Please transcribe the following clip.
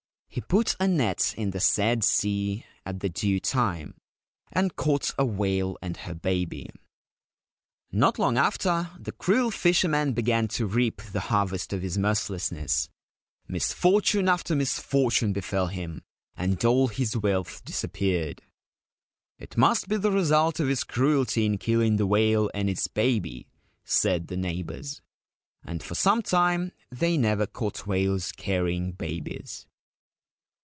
He put a net in the said sea at the due time, and caught a whale and her baby. Not long after, the cruel fisherman began to reap the harvest of his 200 Whales mercilessness. Misfortune after misfortune befell him, and all his wealth disappeared. ' It must be the result of his cruelty in killing the whale and its baby/ said the neighbours ; and for some time they never caught whales carrying babies.